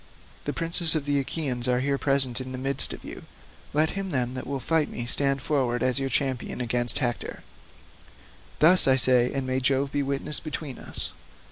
The princes of the Achaeans are here present in the midst of you; let him, then, that will fight me stand forward as your champion against Hector. Thus I say, and may Jove be witness between us.